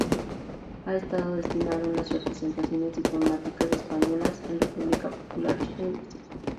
Ha estado destinada en las representaciones diplomáticas españolas en República Popular China y Brasil.